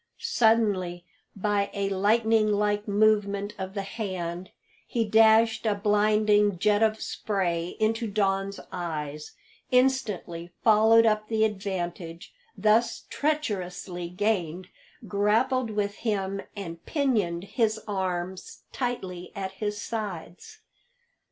Suddenly, by a lightning like movement of the hand, he dashed a blinding jet of spray into Don's eyes, instantly followed up the advantage thus treacherously gained, grappled with him, and pinioned his arms tightly at his sides.